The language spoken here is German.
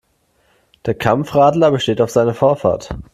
Der Kampfradler besteht auf seine Vorfahrt.